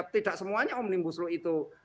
tidak semuanya omnibus law itu